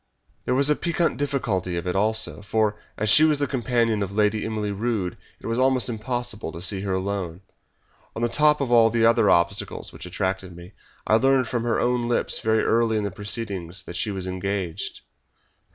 There was the piquant difficulty of it also, for, as she was the companion of Lady Emily Rood, it was almost impossible to see her alone. On the top of all the other obstacles which attracted me, I learned from her own lips very early in the proceedings that she was engaged."